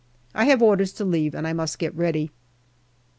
I have orders to leave, and I must get ready.